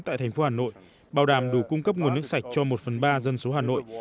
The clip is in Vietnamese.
tại thành phố hà nội bảo đảm đủ cung cấp nguồn nước sạch cho một phần ba dân số hà nội